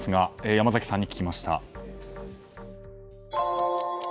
山崎さんに聞きました。